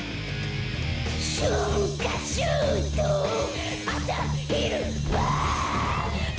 「しゅんかしゅうとう」「あさひるＢＡＡＡＡＮ」